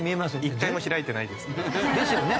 一回も開いてないです。ですよね？